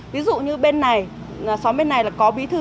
ví dụ như bên này xóm bên này là có bí thư